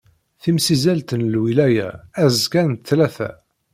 Timsizzelt n lwilaya azekka n ttlata.